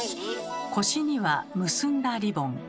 腰には結んだリボン。